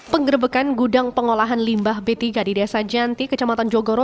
penggerbekan gudang pengolahan limbah b tiga di desa janti kecamatan jogoro